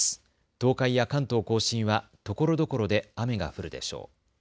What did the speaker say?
東海や関東甲信はところどころで雨が降るでしょう。